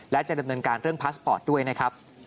และจะดำเนินการเรื่องพาสปอร์ตด้วยนะครับ